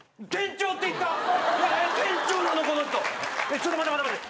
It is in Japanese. ちょっと待って待って。